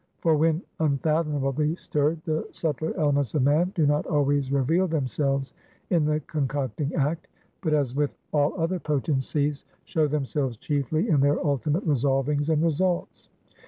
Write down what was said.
For when unfathomably stirred, the subtler elements of man do not always reveal themselves in the concocting act; but, as with all other potencies, show themselves chiefly in their ultimate resolvings and results.